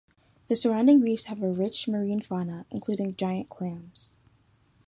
The surrounding reefs have a rich marine fauna, including giant clams.